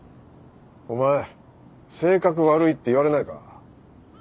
お前性格悪いって言われないか？